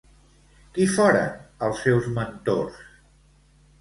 Qui foren els seus mentors?